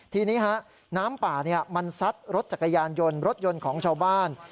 ทีนี้น้ำป่ามันซัดรถจักรยานยนต์รถยนต์ของชาวบ้าน